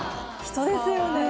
人ですよね。